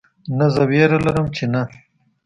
نه زه ویره لرم چې نه